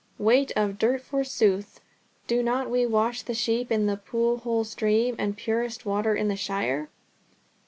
Weight of dirt forsooth! Do not we wash the sheep in the Poolhole stream, the purest water in the shire?"